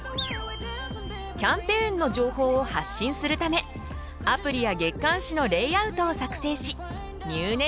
キャンペーンの情報を発信するためアプリや月刊誌のレイアウトを作成し入念にチェック。